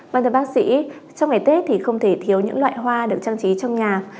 vâng thưa bác sĩ trong ngày tết thì không thể thiếu những loại hoa được trang trí trong nhà